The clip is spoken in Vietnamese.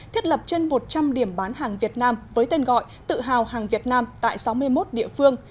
thiết lập trên một trăm linh điểm bán hàng việt nam với tên gọi tự hào hàng việt nam tại sáu mươi một địa phương